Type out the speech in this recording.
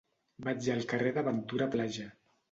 Vaig al carrer de Ventura Plaja.